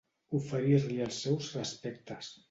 Oferir-li els seus respectes.